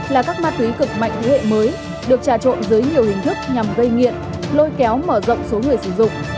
là các ma túy cực mạnh thế hệ mới được trà trộn dưới nhiều hình thức nhằm gây nghiện lôi kéo mở rộng số người sử dụng